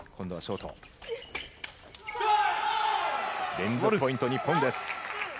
連続ポイント、日本です。